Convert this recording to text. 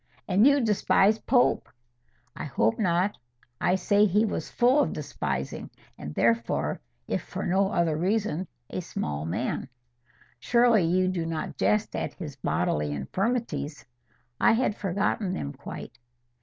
"And you despise Pope." "I hope not. I say he was full of despising, and therefore, if for no other reason, a small man." "Surely you do not jest at his bodily infirmities?" "I had forgotten them quite."